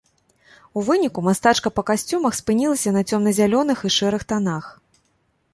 У выніку мастачка па касцюмах спынілася на цёмна-зялёных і шэрых танах.